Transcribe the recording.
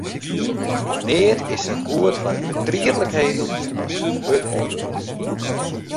Neat is sa goed foar fertrietlikheden as hurd oan it wurk.